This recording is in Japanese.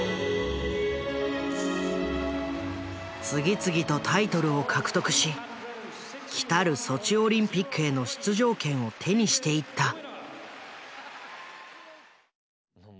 次々とタイトルを獲得しきたるソチオリンピックへの出場権を手にしていった。